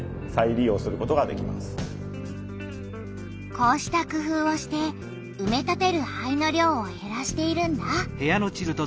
こうした工夫をしてうめ立てる灰の量をへらしているんだ。